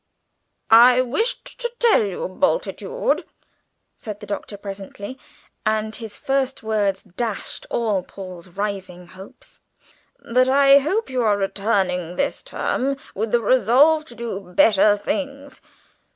"I wished to tell you, Bultitude," said the Doctor presently, and his first words dashed all Paul's rising hopes, "that I hope you are returning this term with the resolve to do better things.